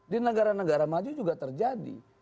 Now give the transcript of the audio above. di negara negara maju juga terjadi